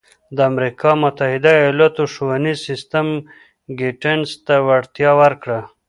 د امریکا متحده ایالتونو ښوونیز سیستم ګېټس ته وړتیا ورکړه.